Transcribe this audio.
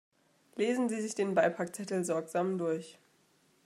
Lesen Sie sich den Beipackzettel sorgsam durch.